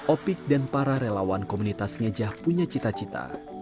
opik dan para relawan komunitas ngejah punya cita cita